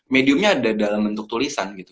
mediumnya ada dalam bentuk tulisan gitu